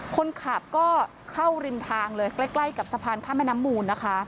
คนขับก็เข้าริมทางเลยใกล้กับสะพานข้ามแม่น้ำมูลนะคะ